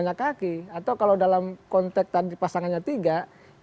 yang katakanlah yang dua ini adalah bagian daripada kelompok lingkaran pak jokowi